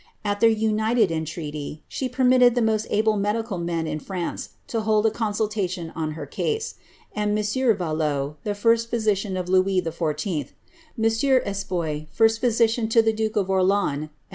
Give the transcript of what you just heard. At their united entreaty, she permitted the most able medical men in France to hold a consultation on her case; and M. Valot, the first physician of Louis XIV., M. Espoit, first physician to the duke of Orleans, and M.